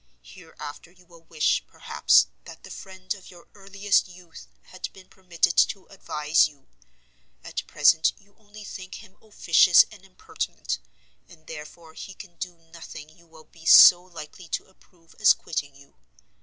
Hereafter you will wish, perhaps, that the friend of your earliest youth had been permitted to advise you; at present you only think him officious and impertinent, and therefore he can do nothing you will be so likely to approve as quitting you.